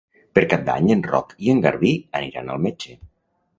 Per Cap d'Any en Roc i en Garbí aniran al metge.